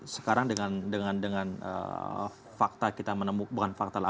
sekarang dengan fakta kita menemukan bukan fakta lain